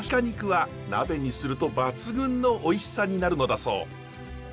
肉は鍋にすると抜群のおいしさになるのだそう。